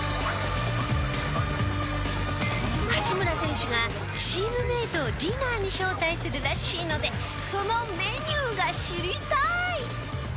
八村選手がチームメートをディナーに招待するらしいのでそのメニューが知りたい！